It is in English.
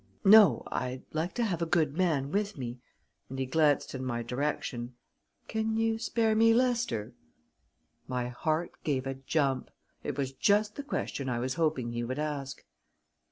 "No I'd like to have a good man with me," and he glanced in my direction. "Can you spare me Lester?" My heart gave a jump. It was just the question I was hoping he would ask.